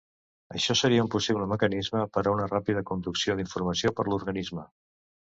Això seria un possible mecanisme per a una ràpida conducció d'informació per l'organisme.